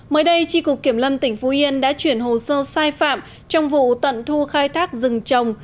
mới đây tri cục kiểm lâm tỉnh phú yên đã chuyển hồ sơ sai phạm trong vụ tận thu khai thác rừng trồng